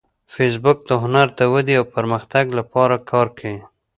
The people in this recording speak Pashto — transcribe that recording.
فېسبوک د هنر د ودې او پرمختګ لپاره کار کوي